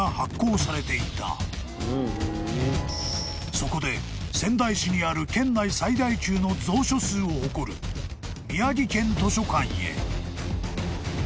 ［そこで仙台市にある県内最大級の蔵書数を誇る宮城県図書館へ］